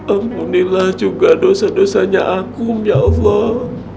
ampunilah juga dosa dosanya aku ya allah